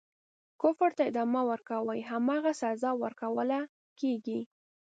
کفر ته ادامه ورکوي هماغه سزا ورکوله کیږي.